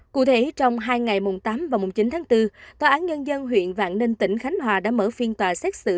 cụ thể trong hai ngày mùng tám và mùng chín tháng bốn tòa án nhân dân huyện vạn ninh tỉnh khánh hòa đã mở phiên tòa xét xử